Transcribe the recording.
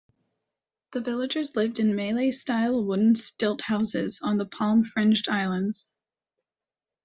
The villagers lived in Malay-style wooden stilt houses on the palm-fringed islands.